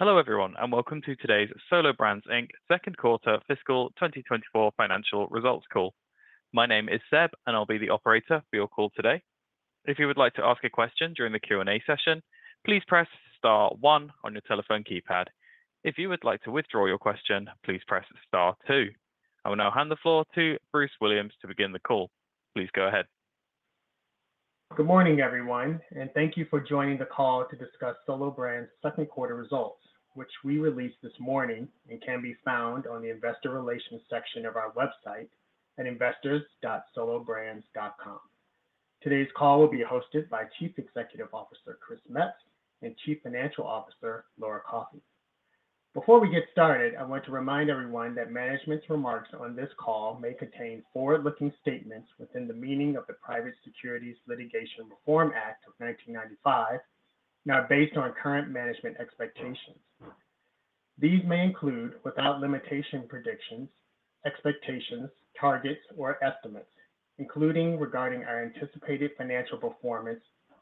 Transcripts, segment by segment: Hello, everyone, and welcome to today's Solo Brands Inc.'s second quarter fiscal 2024 financial results call. My name is Seb, and I'll be the operator for your call today. If you would like to ask a question during the Q&A session, please press star one on your telephone keypad. If you would like to withdraw your question, please press star two. I will now hand the floor to Bruce Williams to begin the call. Please go ahead. Good morning, everyone, and thank you for joining the call to discuss Solo Brands' second quarter results, which we released this morning and can be found on the investor relations section of our website at investors.solobrands.com. Today's call will be hosted by Chief Executive Officer, Chris Metz, and Chief Financial Officer, Laura Coffey. Before we get started, I want to remind everyone that management's remarks on this call may contain forward-looking statements within the meaning of the Private Securities Litigation Reform Act of 1995. Now based on current management expectations. These may include, without limitation predictions, expectations, targets, or estimates, including regarding our anticipated financial performance,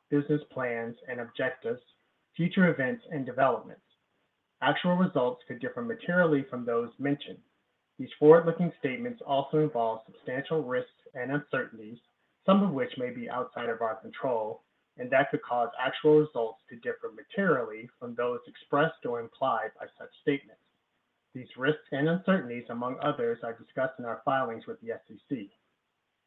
business plans and objectives, future events and developments. Actual results could differ materially from those mentioned. These forward-looking statements also involve substantial risks and uncertainties, some of which may be outside of our control, and that could cause actual results to differ materially from those expressed or implied by such statements. These risks and uncertainties, among others, are discussed in our filings with the SEC.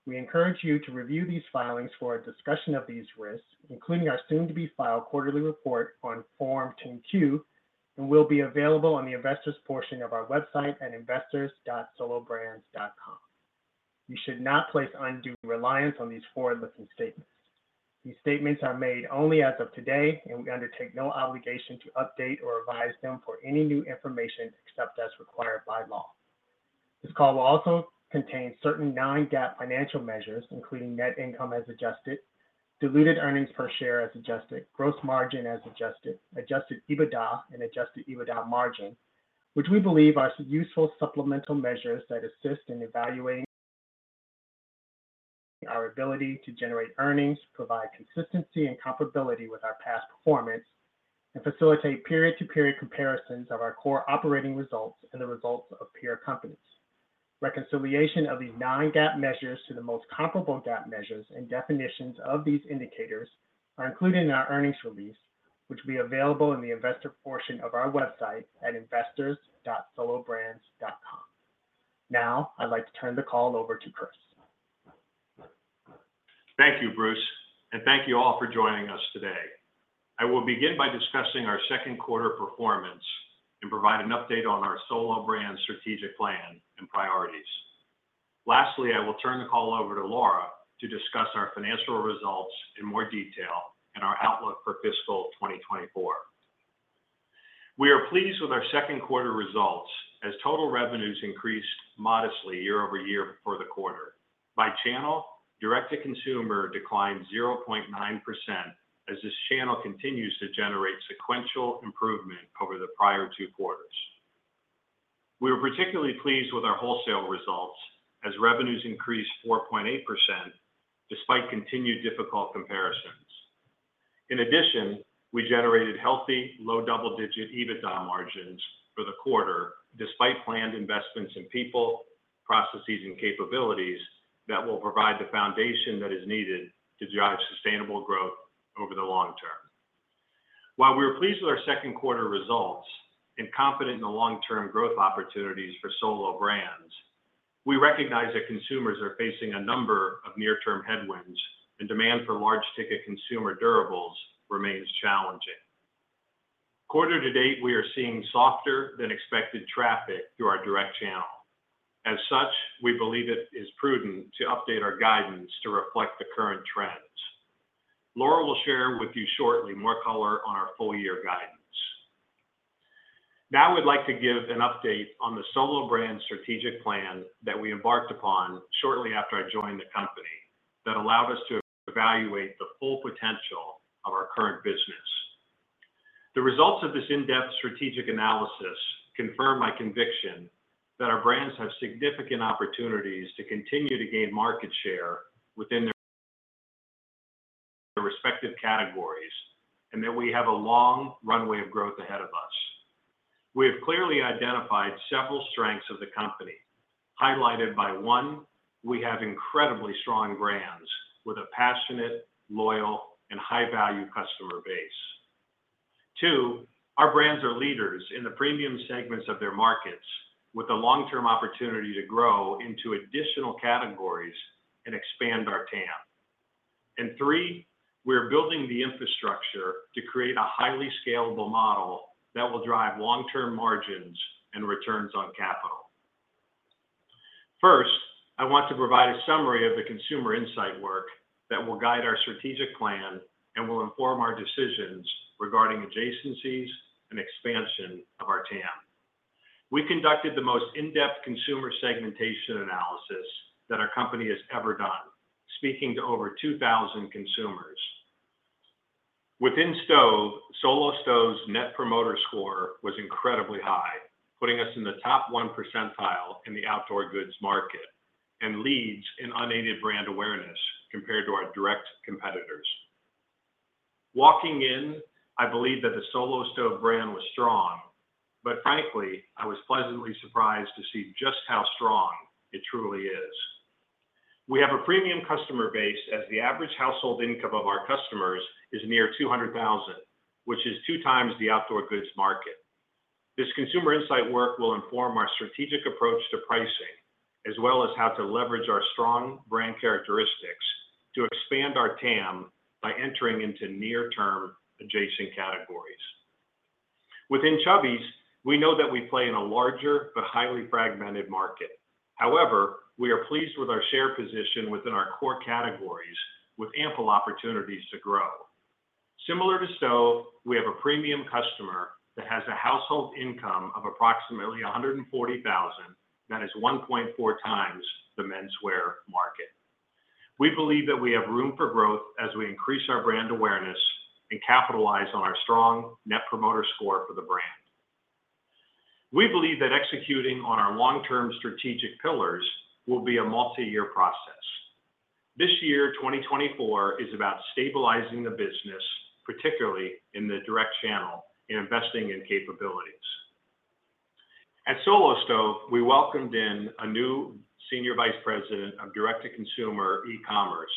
We encourage you to review these filings for a discussion of these risks, including our soon-to-be filed quarterly report on Form 10-Q, and will be available on the investors portion of our website at investors.solobrands.com. You should not place undue reliance on these forward-looking statements. These statements are made only as of today, and we undertake no obligation to update or revise them for any new information except as required by law. This call will also contain certain non-GAAP financial measures, including net income as adjusted, diluted earnings per share as adjusted, gross margin as adjusted, adjusted EBITDA and adjusted EBITDA margin, which we believe are useful supplemental measures that assist in evaluating our ability to generate earnings, provide consistency and comparability with our past performance, and facilitate period-to-period comparisons of our core operating results and the results of peer companies. Reconciliation of these non-GAAP measures to the most comparable GAAP measures and definitions of these indicators are included in our earnings release, which will be available in the investor portion of our website at investors.solobrands.com. Now, I'd like to turn the call over to Chris. Thank you, Bruce, and thank you all for joining us today. I will begin by discussing our second quarter performance and provide an update on our Solo Brands strategic plan and priorities. Lastly, I will turn the call over to Laura to discuss our financial results in more detail and our outlook for fiscal 2024. We are pleased with our second quarter results as total revenues increased modestly year-over-year for the quarter. By channel, direct-to-consumer declined 0.9% as this channel continues to generate sequential improvement over the prior two quarters. We are particularly pleased with our wholesale results as revenues increased 4.8% despite continued difficult comparisons. In addition, we generated healthy, low double-digit EBITDA margins for the quarter, despite planned investments in people, processes, and capabilities that will provide the foundation that is needed to drive sustainable growth over the long term. While we are pleased with our second quarter results and confident in the long-term growth opportunities for Solo Brands, we recognize that consumers are facing a number of near-term headwinds, and demand for large ticket consumer durables remains challenging. Quarter to date, we are seeing softer than expected traffic through our direct channel. As such, we believe it is prudent to update our guidance to reflect the current trends. Laura will share with you shortly more color on our full-year guidance. Now, I would like to give an update on the Solo Brands strategic plan that we embarked upon shortly after I joined the company that allowed us to evaluate the full potential of our current business. The results of this in-depth strategic analysis confirm my conviction that our brands have significant opportunities to continue to gain market share within their respective categories, and that we have a long runway of growth ahead of us. We have clearly identified several strengths of the company, highlighted by one, we have incredibly strong brands with a passionate, loyal, and high-value customer base. Two, our brands are leaders in the premium segments of their markets, with a long-term opportunity to grow into additional categories and expand our TAM. And three, we are building the infrastructure to create a highly scalable model that will drive long-term margins and returns on capital. First, I want to provide a summary of the consumer insight work that will guide our strategic plan and will inform our decisions regarding adjacencies and expansion of our TAM. We conducted the most in-depth consumer segmentation analysis that our company has ever done, speaking to over 2,000 consumers. Within Solo Stove, Solo Stove's Net Promoter Score was incredibly high, putting us in the top 1 percentile in the outdoor goods market... and leads in unaided brand awareness compared to our direct competitors. Walking in, I believe that the Solo Stove brand was strong, but frankly, I was pleasantly surprised to see just how strong it truly is. We have a premium customer base, as the average household income of our customers is near $200,000, which is 2 times the outdoor goods market. This consumer insight work will inform our strategic approach to pricing, as well as how to leverage our strong brand characteristics to expand our TAM by entering into near-term adjacent categories. Within Chubbies, we know that we play in a larger but highly fragmented market. However, we are pleased with our share position within our core categories, with ample opportunities to grow. Similar to Solo Stove, we have a premium customer that has a household income of approximately $140,000, that is 1.4 times the menswear market. We believe that we have room for growth as we increase our brand awareness and capitalize on our strong Net Promoter Score for the brand. We believe that executing on our long-term strategic pillars will be a multi-year process. This year, 2024, is about stabilizing the business, particularly in the direct channel, and investing in capabilities. At Solo Stove, we welcomed in a new senior vice president of direct-to-consumer e-commerce,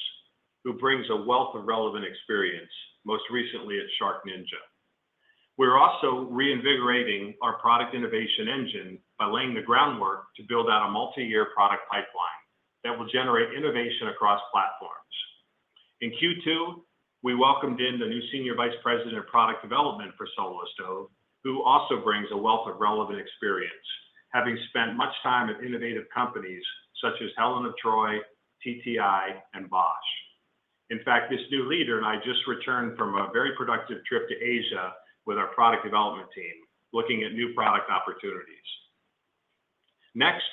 who brings a wealth of relevant experience, most recently at SharkNinja. We're also reinvigorating our product innovation engine by laying the groundwork to build out a multi-year product pipeline that will generate innovation across platforms. In Q2, we welcomed in the new senior vice president of product development for Solo Stove, who also brings a wealth of relevant experience, having spent much time at innovative companies such as Helen of Troy, TTI, and Bosch. In fact, this new leader and I just returned from a very productive trip to Asia with our product development team, looking at new product opportunities. Next,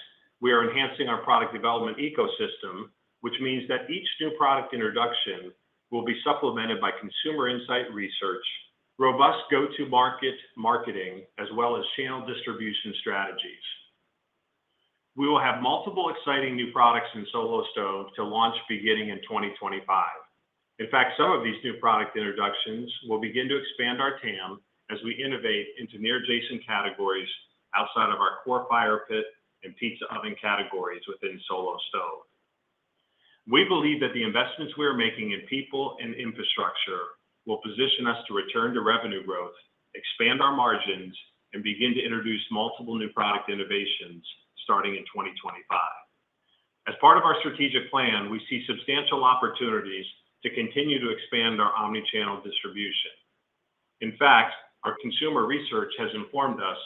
we are enhancing our product development ecosystem, which means that each new product introduction will be supplemented by consumer insight research, robust go-to-market marketing, as well as channel distribution strategies. We will have multiple exciting new products in Solo Stove to launch beginning in 2025. In fact, some of these new product introductions will begin to expand our TAM as we innovate into near adjacent categories outside of our core fire pit and pizza oven categories within Solo Stove. We believe that the investments we are making in people and infrastructure will position us to return to revenue growth, expand our margins, and begin to introduce multiple new product innovations starting in 2025. As part of our strategic plan, we see substantial opportunities to continue to expand our omni-channel distribution. In fact, our consumer research has informed us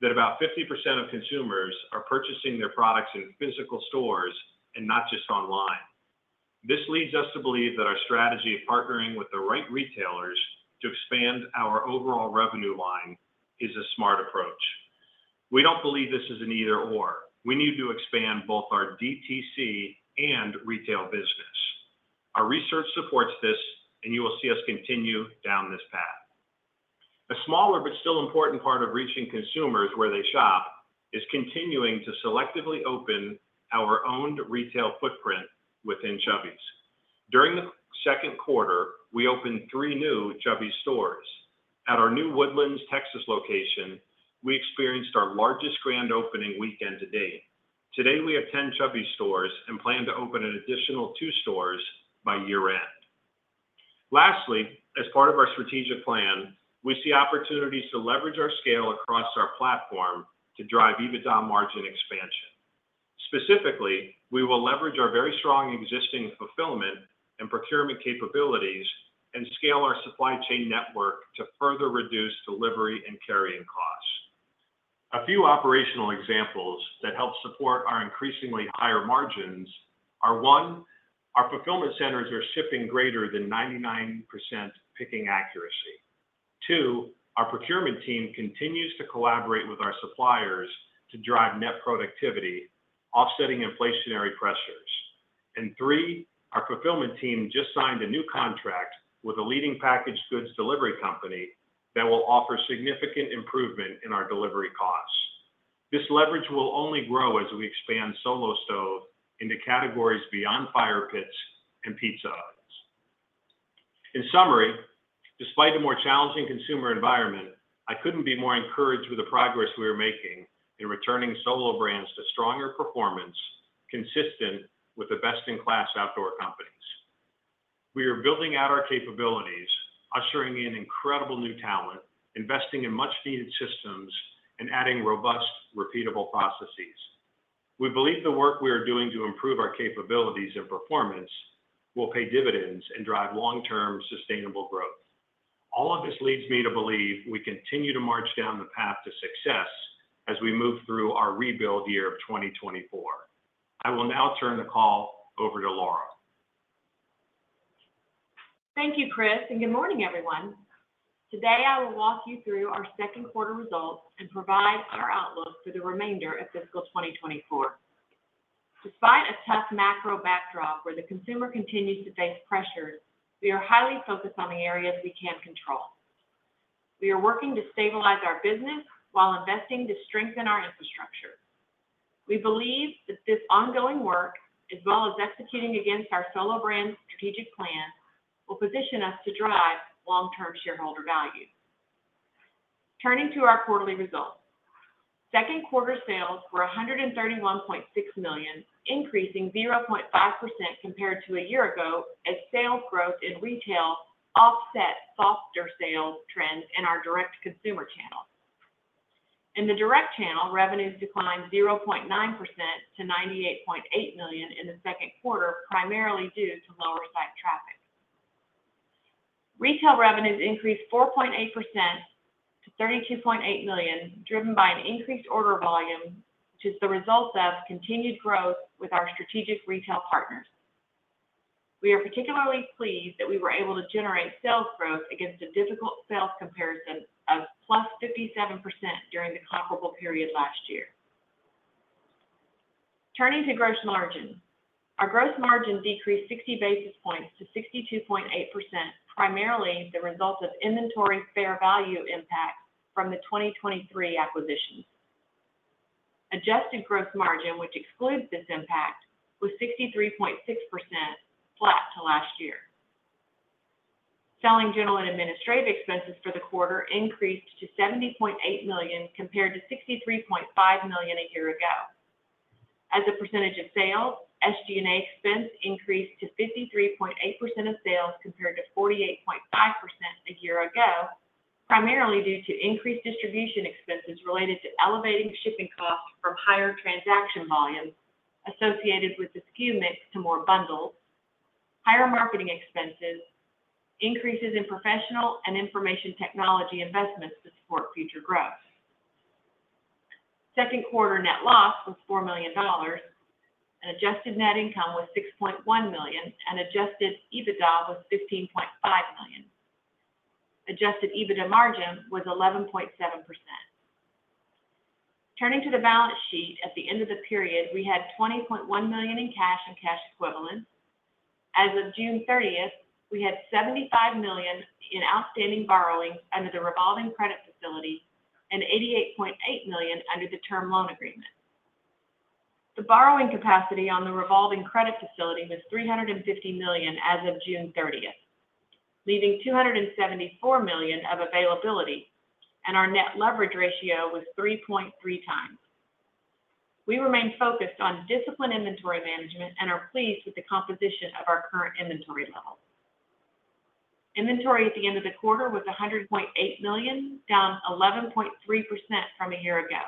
that about 50% of consumers are purchasing their products in physical stores and not just online. This leads us to believe that our strategy of partnering with the right retailers to expand our overall revenue line is a smart approach. We don't believe this is an either/or. We need to expand both our DTC and retail business. Our research supports this, and you will see us continue down this path. A smaller but still important part of reaching consumers where they shop is continuing to selectively open our owned retail footprint within Chubbies. During the second quarter, we opened three new Chubbies stores. At our The Woodlands, Texas, location, we experienced our largest grand opening weekend to date. Today, we have ten Chubbies stores and plan to open an additional two stores by year-end. Lastly, as part of our strategic plan, we see opportunities to leverage our scale across our platform to drive EBITDA margin expansion. Specifically, we will leverage our very strong existing fulfillment and procurement capabilities and scale our supply chain network to further reduce delivery and carrying costs. A few operational examples that help support our increasingly higher margins are, one, our fulfillment centers are shipping greater than 99% picking accuracy. Two, our procurement team continues to collaborate with our suppliers to drive net productivity, offsetting inflationary pressures. And three, our fulfillment team just signed a new contract with a leading packaged goods delivery company that will offer significant improvement in our delivery costs. This leverage will only grow as we expand Solo Stove into categories beyond fire pits and pizza ovens. In summary, despite the more challenging consumer environment, I couldn't be more encouraged with the progress we are making in returning Solo Brands to stronger performance, consistent with the best-in-class outdoor companies. We are building out our capabilities, ushering in incredible new talent, investing in much-needed systems, and adding robust, repeatable processes. We believe the work we are doing to improve our capabilities and performance will pay dividends and drive long-term sustainable growth. All of this leads me to believe we continue to march down the path to success as we move through our rebuild year of 2024. I will now turn the call over to Laura. Thank you, Chris, and good morning, everyone. Today, I will walk you through our second quarter results and provide our outlook for the remainder of fiscal 2024. Despite a tough macro backdrop where the consumer continues to face pressures, we are highly focused on the areas we can control. We are working to stabilize our business while investing to strengthen our infrastructure. We believe that this ongoing work, as well as executing against our Solo brands strategic plan, will position us to drive long-term shareholder value. Turning to our quarterly results. Second quarter sales were $131.6 million, increasing 0.5% compared to a year ago, as sales growth in retail offset softer sales trends in our direct consumer channel. In the direct channel, revenues declined 0.9% to $98.8 million in the second quarter, primarily due to lower site traffic. Retail revenues increased 4.8% to $32.8 million, driven by an increased order volume, which is the result of continued growth with our strategic retail partners. We are particularly pleased that we were able to generate sales growth against a difficult sales comparison of +57% during the comparable period last year. Turning to gross margin. Our gross margin decreased 60 basis points to 62.8%, primarily the result of inventory fair value impact from the 2023 acquisition. Adjusted gross margin, which excludes this impact, was 63.6%, flat to last year. Selling, general, and administrative expenses for the quarter increased to $70.8 million, compared to $63.5 million a year ago. As a percentage of sales, SG&A expense increased to 53.8% of sales, compared to 48.5% a year ago, primarily due to increased distribution expenses related to elevating shipping costs from higher transaction volumes associated with the SKU mix to more bundles, higher marketing expenses, increases in professional and information technology investments to support future growth. Second quarter net loss was $4 million, and adjusted net income was $6.1 million, and adjusted EBITDA was $15.5 million. Adjusted EBITDA margin was 11.7%. Turning to the balance sheet, at the end of the period, we had $20.1 million in cash and cash equivalents. As of June thirtieth, we had $75 million in outstanding borrowings under the revolving credit facility and $88.8 million under the term loan agreement. The borrowing capacity on the revolving credit facility was $350 million as of June 30th, leaving $274 million of availability, and our net leverage ratio was 3.3 times. We remain focused on disciplined inventory management and are pleased with the composition of our current inventory level. Inventory at the end of the quarter was $100.8 million, down 11.3% from a year ago.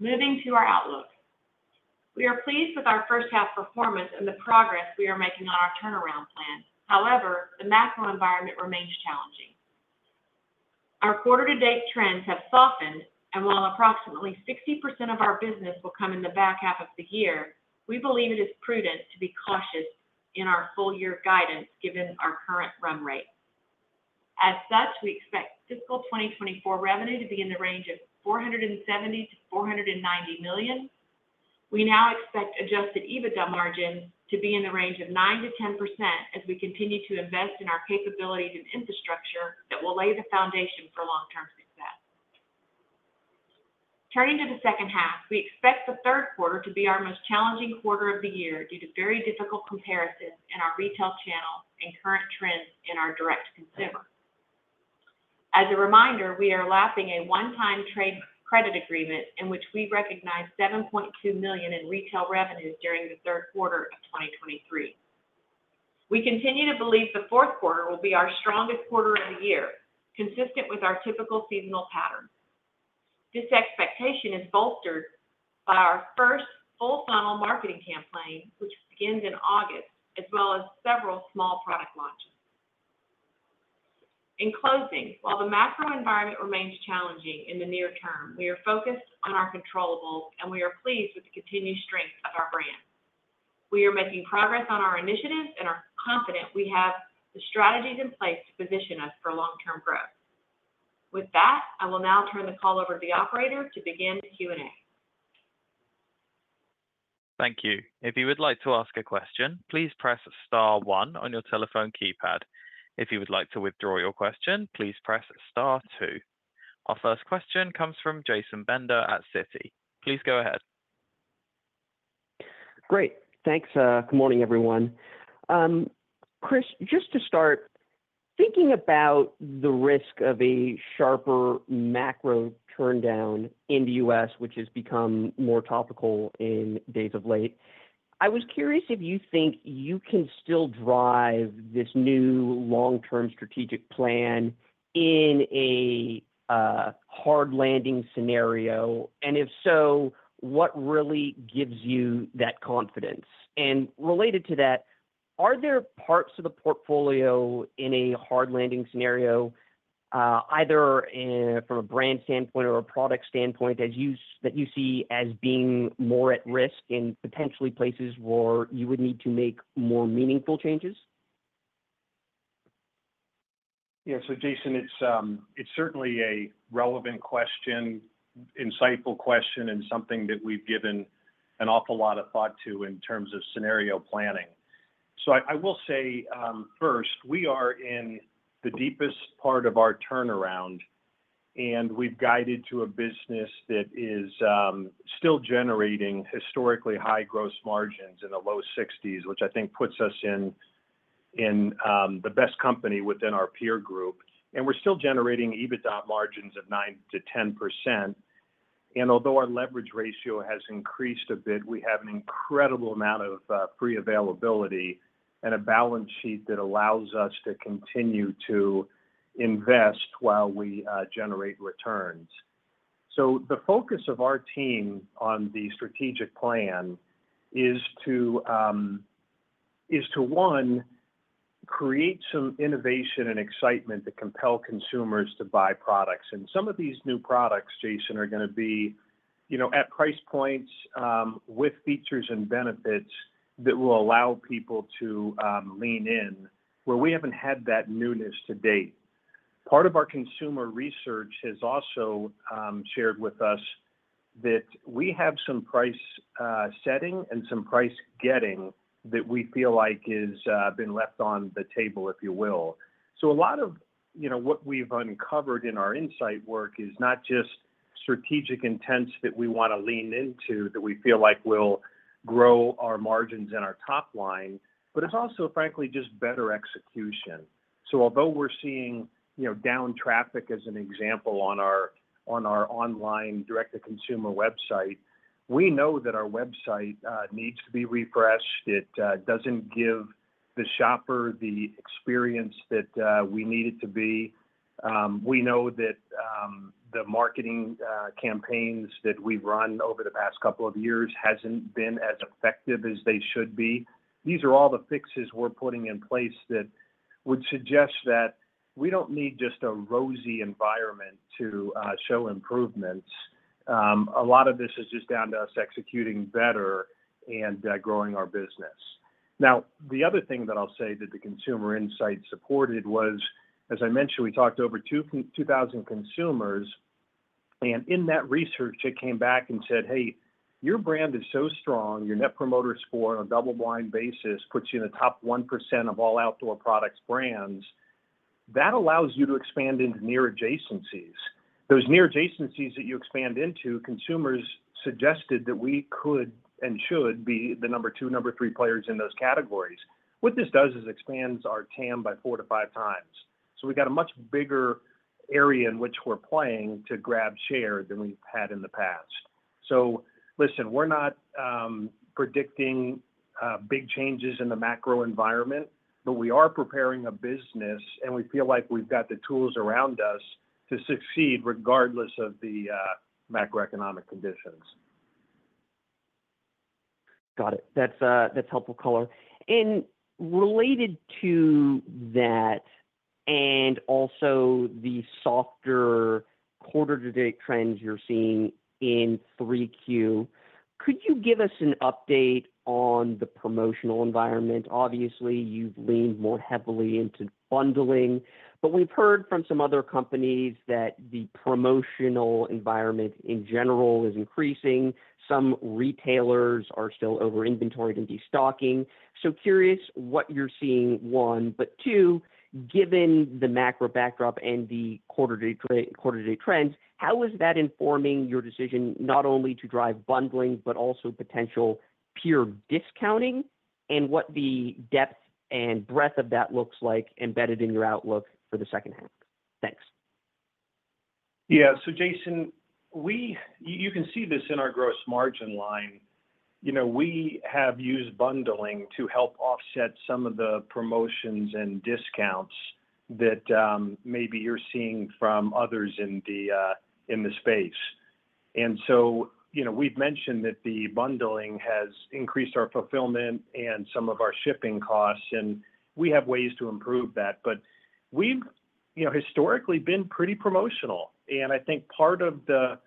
Moving to our outlook. We are pleased with our first half performance and the progress we are making on our turnaround plan. However, the macro environment remains challenging. Our quarter to date trends have softened, and while approximately 60% of our business will come in the back half of the year, we believe it is prudent to be cautious in our full year guidance, given our current run rate. As such, we expect fiscal 2024 revenue to be in the range of $470 million-$490 million. We now expect Adjusted EBITDA margin to be in the range of 9%-10% as we continue to invest in our capabilities and infrastructure that will lay the foundation for long-term success. Turning to the second half, we expect the third quarter to be our most challenging quarter of the year due to very difficult comparisons in our retail channel and current trends in our direct consumer. As a reminder, we are lapping a one-time trade credit agreement in which we recognized $7.2 million in retail revenues during the third quarter of 2023. We continue to believe the fourth quarter will be our strongest quarter of the year, consistent with our typical seasonal pattern. This expectation is bolstered by our first full funnel marketing campaign, which begins in August, as well as several small product launches. In closing, while the macro environment remains challenging in the near term, we are focused on our controllables, and we are pleased with the continued strength of our brand. We are making progress on our initiatives and are confident we have the strategies in place to position us for long-term growth. With that, I will now turn the call over to the operator to begin the Q&A. Thank you. If you would like to ask a question, please press star one on your telephone keypad. If you would like to withdraw your question, please press star two. Our first question comes from Jason Bender at Citi. Please go ahead. Great. Thanks, good morning, everyone. Chris, just to start, thinking about the risk of a sharper macro turndown in the U.S., which has become more topical in days of late, I was curious if you think you can still drive this new long-term strategic plan in a hard landing scenario. And if so, what really gives you that confidence? And related to that, are there parts of the portfolio in a hard landing scenario, either from a brand standpoint or a product standpoint, that you see as being more at risk in potentially places where you would need to make more meaningful changes? Yeah. So, Jason, it's certainly a relevant question, insightful question, and something that we've given an awful lot of thought to in terms of scenario planning. So I will say, first, we are in the deepest part of our turnaround, and we've guided to a business that is still generating historically high gross margins in the low 60s, which I think puts us in the best company within our peer group. And we're still generating EBITDA margins of 9%-10%. And although our leverage ratio has increased a bit, we have an incredible amount of pre-availability and a balance sheet that allows us to continue to invest while we generate returns. So the focus of our team on the strategic plan is to one, create some innovation and excitement to compel consumers to buy products. Some of these new products, Jason, are gonna be, you know, at price points, with features and benefits that will allow people to lean in, where we haven't had that newness to date. Part of our consumer research has also shared with us that we have some price setting and some price getting that we feel like is been left on the table, if you will. A lot of, you know, what we've uncovered in our insight work is not just strategic intents that we wanna lean into, that we feel like will grow our margins and our top line, but it's also, frankly, just better execution. Although we're seeing, you know, down traffic as an example on our online direct-to-consumer website, we know that our website needs to be refreshed. It doesn't give the shopper the experience that we need it to be. We know that the marketing campaigns that we've run over the past couple of years hasn't been as effective as they should be. These are all the fixes we're putting in place that would suggest that we don't need just a rosy environment to show improvements. A lot of this is just down to us executing better and growing our business. Now, the other thing that I'll say that the consumer insight supported was, as I mentioned, we talked to over 2,000 consumers, and in that research, it came back and said, "Hey, your brand is so strong, your Net Promoter Score on a double-blind basis puts you in the top 1% of all outdoor products brands. That allows you to expand into near adjacencies." Those near adjacencies that you expand into, consumers suggested that we could and should be the number 2, number 3 players in those categories. What this does is expands our TAM by 4-5 times. So we've got a much bigger area in which we're playing to grab share than we've had in the past. So listen, we're not predicting big changes in the macro environment, but we are preparing a business, and we feel like we've got the tools around us to succeed regardless of the macroeconomic conditions. Got it. That's that's helpful color. And related to that, and also the softer quarter-to-date trends you're seeing in 3Q, could you give us an update on the promotional environment? Obviously, you've leaned more heavily into bundling, but we've heard from some other companies that the promotional environment, in general, is increasing. Some retailers are still over-inventoried and destocking. So curious what you're seeing, one, but two, given the macro backdrop and the quarter-to-date trends, how is that informing your decision, not only to drive bundling, but also potential pure discounting, and what the depth and breadth of that looks like embedded in your outlook for the second half? Thanks. Yeah. So Jason, you can see this in our gross margin line. You know, we have used bundling to help offset some of the promotions and discounts that maybe you're seeing from others in the space. And so, you know, we've mentioned that the bundling has increased our fulfillment and some of our shipping costs, and we have ways to improve that. But we've, you know, historically been pretty promotional, and I think part of the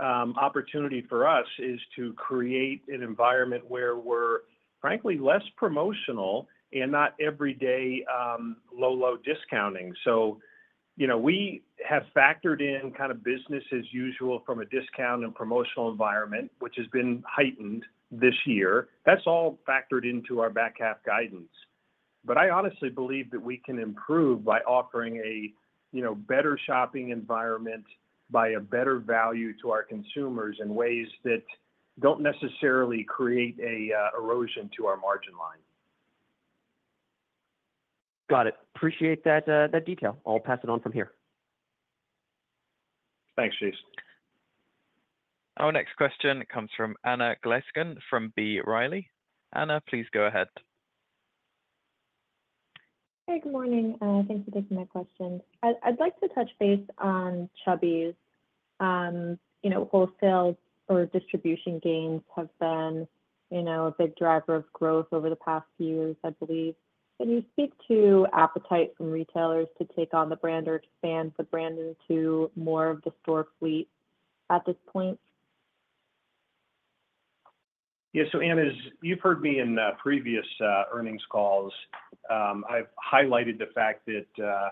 opportunity for us is to create an environment where we're frankly less promotional and not every day low, low discounting. So, you know, we have factored in kind of business as usual from a discount and promotional environment, which has been heightened this year. That's all factored into our back half guidance. But I honestly believe that we can improve by offering a, you know, better shopping environment, by a better value to our consumers in ways that don't necessarily create a erosion to our margin line. Got it. Appreciate that, that detail. I'll pass it on from here. Thanks, Jason. Our next question comes from Anna Glaessgen, from B. Riley. Anna, please go ahead. Hey, good morning, thanks for taking my question. I'd like to touch base on Chubbies. You know, wholesale or distribution gains have been, you know, a big driver of growth over the past few years, I believe. Can you speak to appetite from retailers to take on the brand or expand the brand into more of the store fleet at this point? Yeah. So Anna, as you've heard me in previous earnings calls, I've highlighted the fact that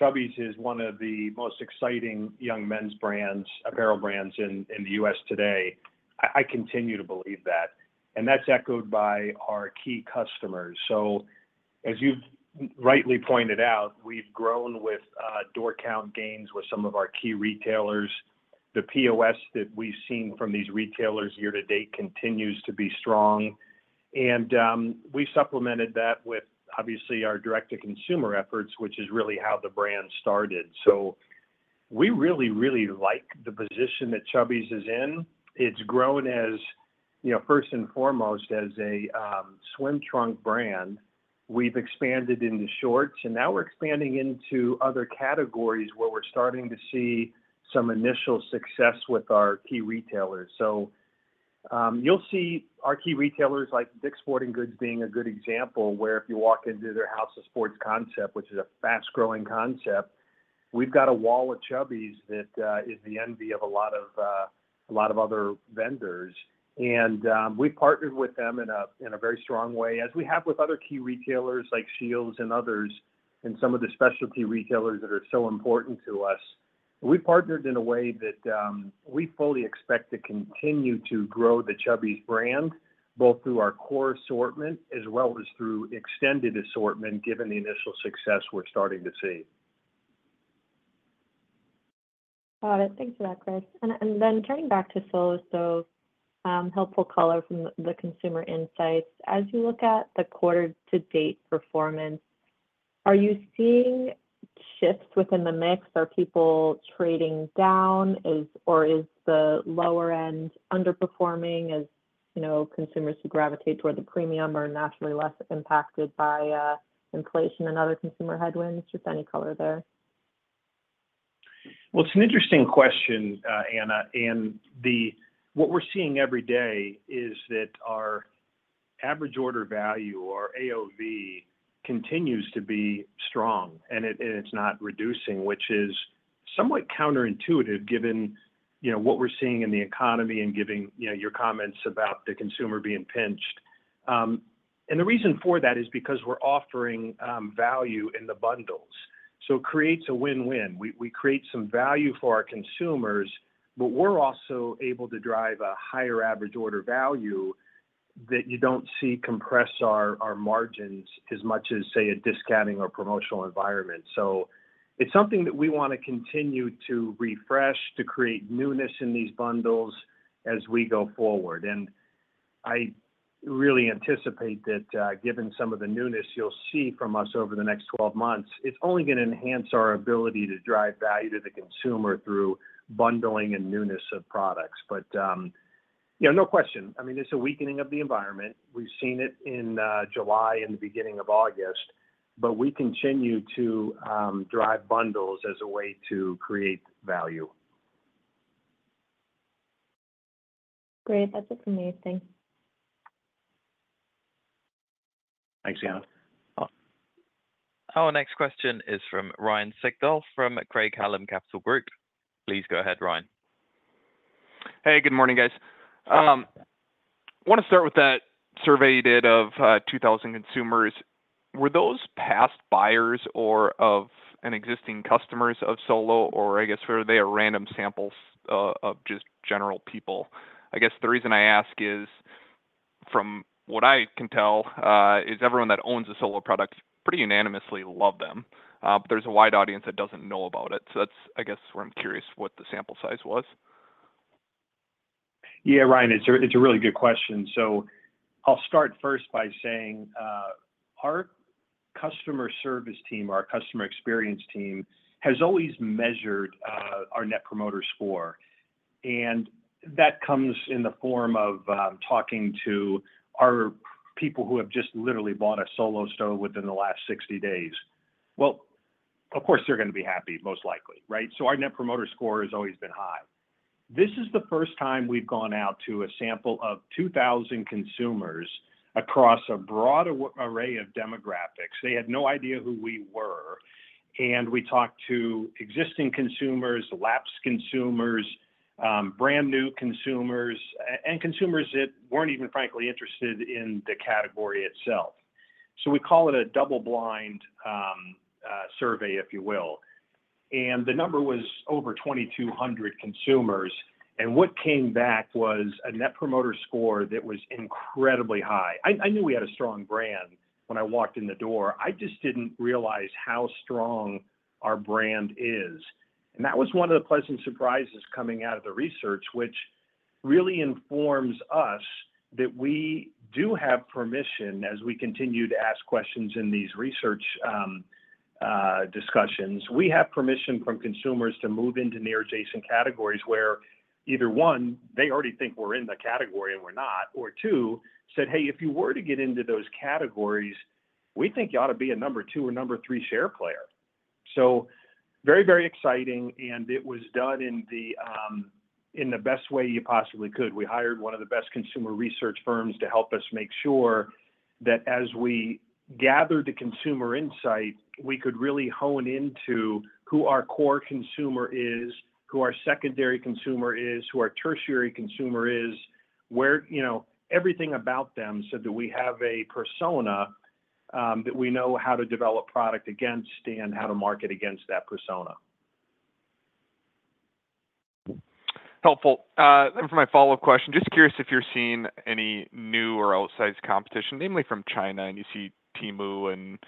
Chubbies is one of the most exciting young men's brands, apparel brands in the U.S. today. I continue to believe that, and that's echoed by our key customers. So as you've rightly pointed out, we've grown with door count gains with some of our key retailers. The POS that we've seen from these retailers year to date continues to be strong. And we supplemented that with, obviously, our direct-to-consumer efforts, which is really how the brand started. So we really, really like the position that Chubbies is in. It's grown as, you know, first and foremost, as a swim trunk brand. We've expanded into shorts, and now we're expanding into other categories, where we're starting to see some initial success with our key retailers. So, you'll see our key retailers, like Dick's Sporting Goods being a good example, where if you walk into their House of Sports concept, which is a fast-growing concept, we've got a wall of Chubbies that is the envy of a lot of a lot of other vendors. And, we've partnered with them in a very strong way, as we have with other key retailers like Scheels and others, and some of the specialty retailers that are so important to us. We've partnered in a way that we fully expect to continue to grow the Chubbies brand, both through our core assortment as well as through extended assortment, given the initial success we're starting to see. Got it. Thanks for that, Chris. And then turning back to Solo, so, helpful color from the consumer insights. As you look at the quarter-to-date performance, are you seeing shifts within the mix? Are people trading down? Is... Or is the lower end underperforming, as, you know, consumers who gravitate toward the premium are naturally less impacted by inflation and other consumer headwinds? Just any color there? Well, it's an interesting question, Anna, and what we're seeing every day is that our average order value, or AOV, continues to be strong, and it's not reducing, which is somewhat counterintuitive, given, you know, what we're seeing in the economy and given, you know, your comments about the consumer being pinched. And the reason for that is because we're offering value in the bundles, so it creates a win-win. We create some value for our consumers, but we're also able to drive a higher average order value that you don't see compress our margins as much as, say, a discounting or promotional environment. So it's something that we want to continue to refresh, to create newness in these bundles as we go forward. I really anticipate that, given some of the newness you'll see from us over the next 12 months, it's only going to enhance our ability to drive value to the consumer through bundling and newness of products. But, you know, no question, I mean, there's a weakening of the environment. We've seen it in July and the beginning of August, but we continue to drive bundles as a way to create value. Great. That's it from me. Thanks. Thanks, Anna. Our next question is from Ryan Sigdahl, from Craig-Hallum Capital Group. Please go ahead, Ryan. Hey, good morning, guys. I wanna start with that survey you did of 2,000 consumers. Were those past buyers or of an existing customers of Solo, or I guess, were they a random samples of, of just general people? I guess the reason I ask is from what I can tell, is everyone that owns a Solo product pretty unanimously love them. But there's a wide audience that doesn't know about it. So that's, I guess, where I'm curious what the sample size was. Yeah, Ryan, it's a really good question. So I'll start first by saying, our customer service team, our customer experience team, has always measured our Net Promoter Score, and that comes in the form of talking to our people who have just literally bought a Solo Stove within the last 60 days. Well, of course, they're gonna be happy, most likely, right? So our Net Promoter Score has always been high. This is the first time we've gone out to a sample of 2,000 consumers across a broad array of demographics. They had no idea who we were, and we talked to existing consumers, lapsed consumers, brand-new consumers, and consumers that weren't even frankly interested in the category itself. So we call it a double-blind survey, if you will. The number was over 2,200 consumers, and what came back was a Net Promoter Score that was incredibly high. I, I knew we had a strong brand when I walked in the door. I just didn't realize how strong our brand is, and that was one of the pleasant surprises coming out of the research, which really informs us that we do have permission, as we continue to ask questions in these research discussions. We have permission from consumers to move into near adjacent categories where either, one, they already think we're in the category and we're not, or two, said, "Hey, if you were to get into those categories, we think y'all ought to be a number 2 or number 3 share player." So very, very exciting, and it was done in the best way you possibly could. We hired one of the best consumer research firms to help us make sure that as we gathered the consumer insight, we could really hone into who our core consumer is, who our secondary consumer is, who our tertiary consumer is... where, you know, everything about them, so do we have a persona that we know how to develop product against and how to market against that persona? Helpful. Then for my follow-up question, just curious if you're seeing any new or outsized competition, namely from China, and you see Temu and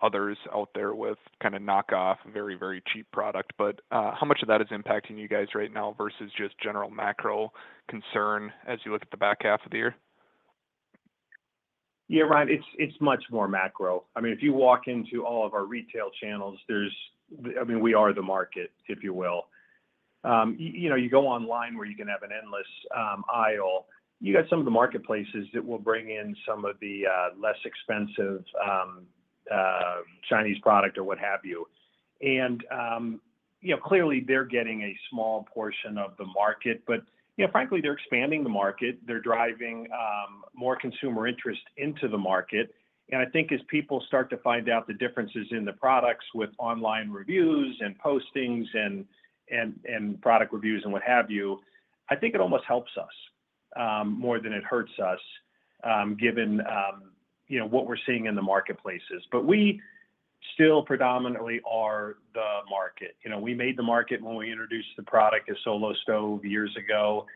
others out there with kind of knockoff very, very cheap product. But, how much of that is impacting you guys right now versus just general macro concern as you look at the back half of the year? Yeah, Ryan, it's much more macro. I mean, if you walk into all of our retail channels, there's I mean, we are the market, if you will. You know, you go online where you can have an endless aisle, you got some of the marketplaces that will bring in some of the less expensive Chinese product or what have you. And you know, clearly, they're getting a small portion of the market, but you know, frankly, they're expanding the market. They're driving more consumer interest into the market, and I think as people start to find out the differences in the products with online reviews and postings and product reviews and what have you, I think it almost helps us more than it hurts us, given you know, what we're seeing in the marketplaces. But we still predominantly are the market. You know, we made the market when we introduced the product as Solo Stove years ago,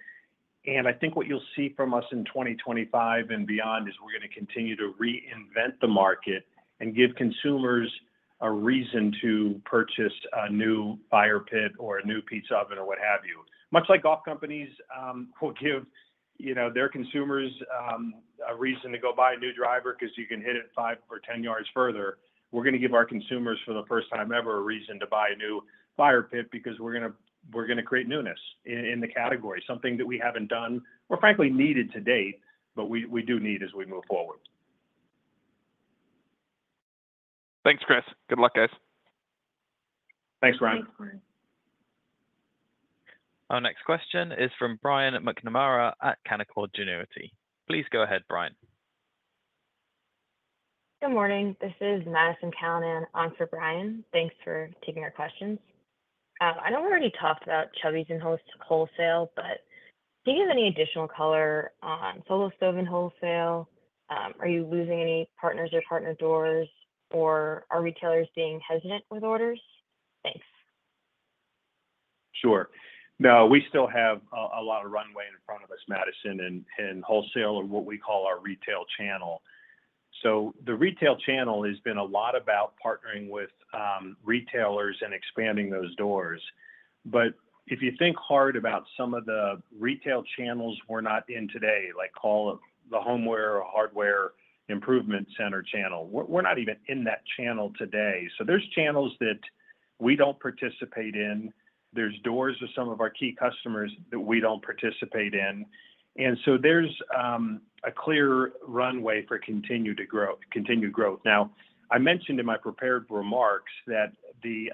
and I think what you'll see from us in 2025 and beyond is we're gonna continue to reinvent the market and give consumers a reason to purchase a new fire pit or a new pizza oven or what have you. Much like golf companies will give, you know, their consumers a reason to go buy a new driver 'cause you can hit it five or 10 yards further, we're gonna give our consumers, for the first time ever, a reason to buy a new fire pit because we're gonna, we're gonna create newness in the category, something that we haven't done or frankly needed to date, but we, we do need as we move forward. Thanks, Chris. Good luck, guys. Thanks, Ryan. Thanks, Ryan. Our next question is from Brian McNamara at Canaccord Genuity. Please go ahead, Brian. Good morning. This is Madison Callinan on for Brian. Thanks for taking our questions. I know we already talked about Chubbies in host-wholesale, but do you have any additional color on Solo Stove and wholesale? Are you losing any partners or partner doors, or are retailers being hesitant with orders? Thanks. Sure. No, we still have a lot of runway in front of us, Madison, and wholesale are what we call our retail channel. So the retail channel has been a lot about partnering with retailers and expanding those doors. But if you think hard about some of the retail channels we're not in today, like all of the homeware or hardware improvement center channel, we're not even in that channel today. So there's channels that we don't participate in. There's doors of some of our key customers that we don't participate in, and so there's a clear runway for continued growth. Now, I mentioned in my prepared remarks that the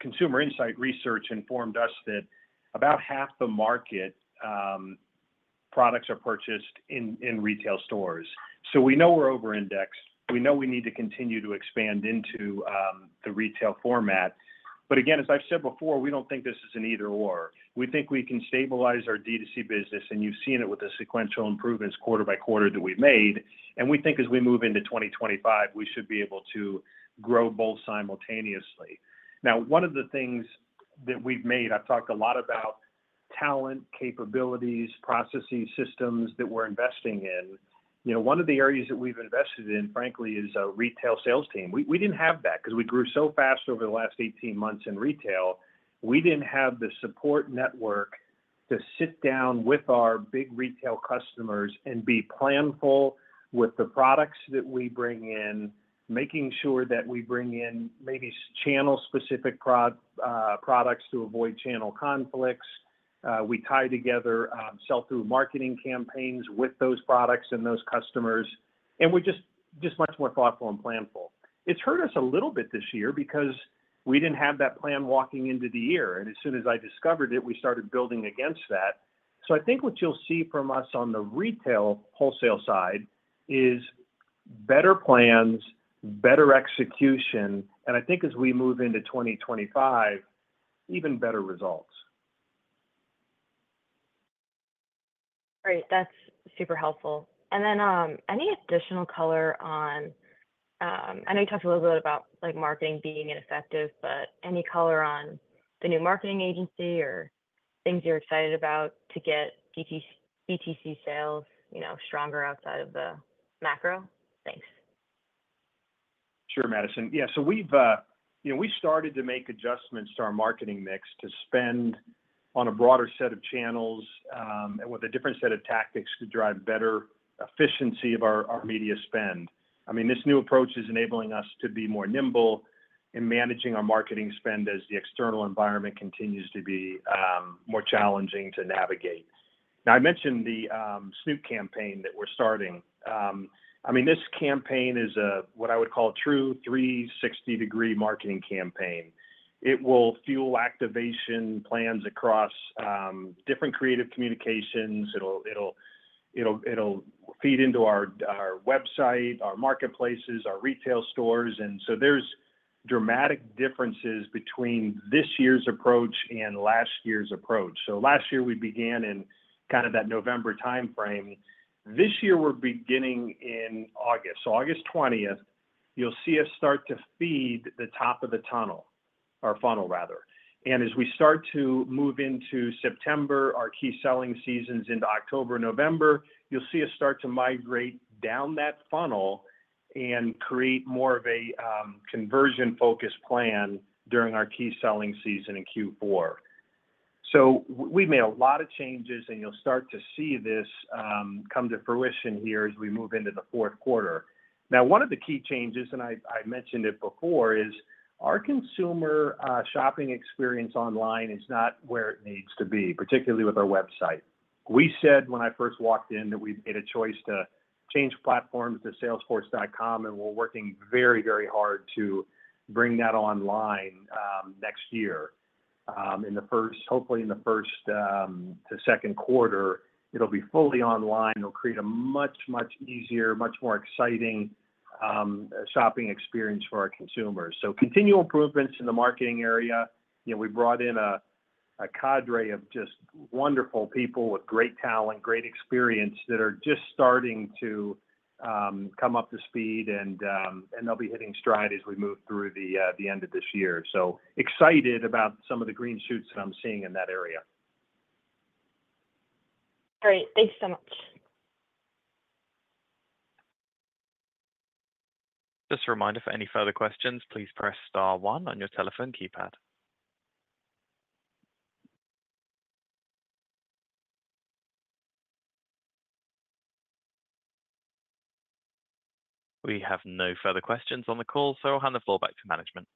consumer insight research informed us that about half the market products are purchased in retail stores. So we know we're over indexed. We know we need to continue to expand into the retail format. But again, as I've said before, we don't think this is an either/or. We think we can stabilize our D2C business, and you've seen it with the sequential improvements quarter by quarter that we've made, and we think as we move into 2025, we should be able to grow both simultaneously. Now, one of the things that we've made, I've talked a lot about talent, capabilities, processing systems that we're investing in. You know, one of the areas that we've invested in, frankly, is a retail sales team. We didn't have that 'cause we grew so fast over the last 18 months in retail, we didn't have the support network to sit down with our big retail customers and be planful with the products that we bring in, making sure that we bring in maybe channel-specific products to avoid channel conflicts. We tie together sell-through marketing campaigns with those products and those customers, and we're just much more thoughtful and planful. It's hurt us a little bit this year because we didn't have that plan walking into the year, and as soon as I discovered it, we started building against that. So I think what you'll see from us on the retail wholesale side is better plans, better execution, and I think as we move into 2025, even better results. Great. That's super helpful. And then, any additional color on, I know you talked a little bit about, like, marketing being ineffective, but any color on the new marketing agency or things you're excited about to get DTC, DTC sales, you know, stronger outside of the macro? Thanks. Sure, Madison. Yeah, so we've, you know, we started to make adjustments to our marketing mix to spend on a broader set of channels, and with a different set of tactics to drive better efficiency of our, our media spend. I mean, this new approach is enabling us to be more nimble in managing our marketing spend as the external environment continues to be, more challenging to navigate. Now, I mentioned the, Snoop campaign that we're starting. I mean, this campaign is a, what I would call a true 360-degree marketing campaign. It will fuel activation plans across, different creative communications. It'll feed into our, our website, our marketplaces, our retail stores, and so there's dramatic differences between this year's approach and last year's approach. So last year, we began in kind of that November timeframe. This year, we're beginning in August. So August 20th, you'll see us start to feed the top of the tunnel, or funnel rather, and as we start to move into September, our key selling seasons into October, November, you'll see us start to migrate down that funnel and create more of a conversion-focused plan during our key selling season in Q4. So we've made a lot of changes, and you'll start to see this come to fruition here as we move into the fourth quarter. Now, one of the key changes, and I mentioned it before, is our consumer shopping experience online is not where it needs to be, particularly with our website. We said, when I first walked in, that we made a choice to change platforms to Salesforce, and we're working very, very hard to bring that online next year. Hopefully, in the first to second quarter, it'll be fully online. It'll create a much, much easier, much more exciting, shopping experience for our consumers. So continual improvements in the marketing area. You know, we brought in a cadre of just wonderful people with great talent, great experience, that are just starting to come up to speed, and they'll be hitting stride as we move through the end of this year. So excited about some of the green shoots that I'm seeing in that area. Great. Thanks so much. Just a reminder, for any further questions, please press star one on your telephone keypad. We have no further questions on the call, so I'll hand the floor back to management.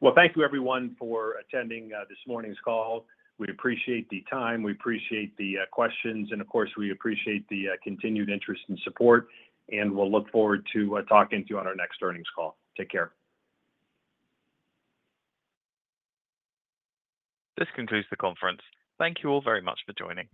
Well, thank you, everyone, for attending this morning's call. We appreciate the time, we appreciate the questions, and of course, we appreciate the continued interest and support, and we'll look forward to talking to you on our next earnings call. Take care. This concludes the conference. Thank you all very much for joining.